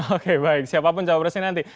oke baik siapapun capresnya nanti